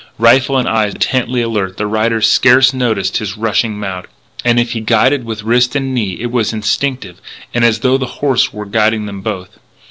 Rifle and eyes intently alert, the rider scarce noticed his rushing mount; and if he guided with wrist and knee it was instinctive and as though the horse were guiding them both.